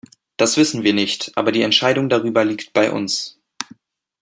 Das wissen wir nicht, aber die Entscheidung darüber liegt bei uns.